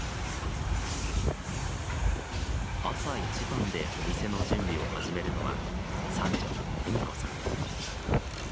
朝一番でお店の準備を始めるのは三女恵美子さん。